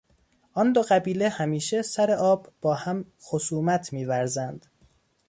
آن دو قبیله همیشه سر آب با هم خصومت میورزند.